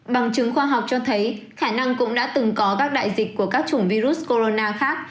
bằng chứng khoa học cho thấy khả năng cũng đã từng có các đại dịch của các chủng virus corona khác